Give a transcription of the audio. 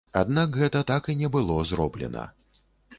Аднак гэта так і не было зроблена.